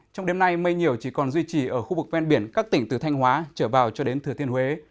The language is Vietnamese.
trong đêm nay mây nhiều chỉ còn duy trì ở khu vực ven biển các tỉnh từ thanh hóa trở vào cho đến thừa thiên huế